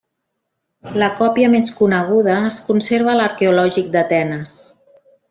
La còpia més coneguda es conserva a l'Arqueològic d'Atenes.